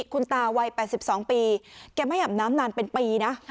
คุณตาวัย๘๒ปีแกไม่อาบน้ำนานเป็นปีนะ